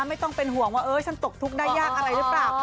ไม่ต้องเป็นห่วงว่าเอ๊ยฉันตกทุกข์ได้ยากอะไรรึปับ